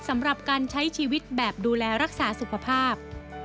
สำหรับการใช้ชีวิตแบบดูแลรักษาสุขภาพ